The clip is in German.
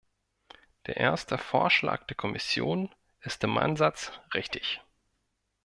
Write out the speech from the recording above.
Der erste Vorschlag der Kommission ist im Ansatz richtig.